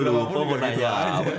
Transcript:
lu udah lupa mau tanya apa tadi